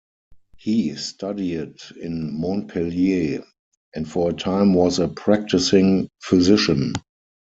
He studied in Montpellier, and for a time was a practicing physician.